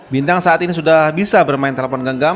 bintang saat ini sudah bisa bermain telepon genggam